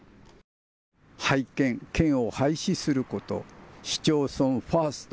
廃県、県を廃止すること、市町村ファースト。